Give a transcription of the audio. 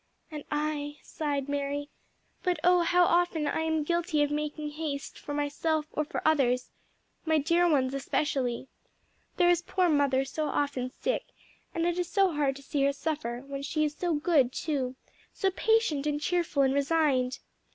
"And I," sighed Mary; "but oh how often I am guilty of making haste for myself or for others my dear ones especially. There is poor mother so often sick, and it is so hard to see her suffer, when she is so good, too, so patient and cheerful and resigned."